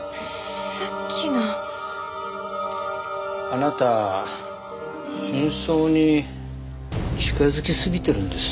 あなた真相に近づきすぎてるんです。